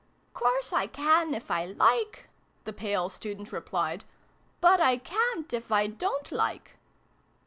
Course I can, if I like" the pale student replied ; "but I ca'n't if I dorit like